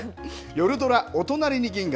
夜ドラおとなりに銀河。